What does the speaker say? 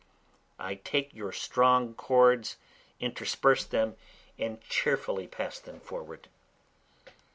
I take your strong chords, intersperse them, and cheerfully pass them forward.